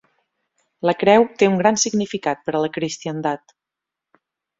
La creu té un gran significat per a la cristiandat.